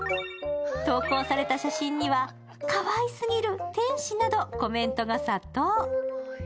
投稿された写真には「かわいすぎる」「天使」などコメントが殺到。